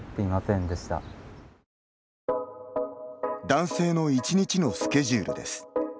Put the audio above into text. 男性の１日のスケジュールです。